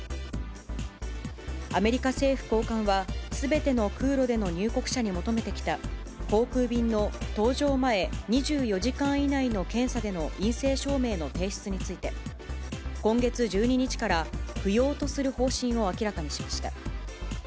アメリカ政府高官は、すべての空路での入国者に求めてきた、航空便の搭乗前２４時間以内の検査での陰性証明の提出について、今月１２日から不要とする方針を明らかにしました。